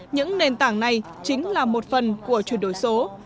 những nền tảng này chính là một phần của chuyển đổi số